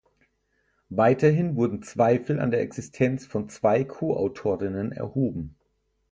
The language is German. Weiterhin wurden Zweifel an der Existenz von zwei Ko-Autorinnen erhoben.